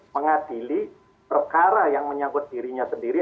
mengadili perkara yang menyangkut dirinya sendiri